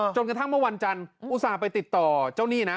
จนกระทั่งเมื่อวันจันทร์อุตส่าห์ไปติดต่อเจ้าหนี้นะ